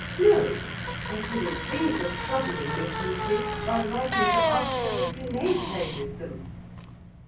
No; I couldn't think of troubling Miss Lucy by writing to ask her if you may play with them.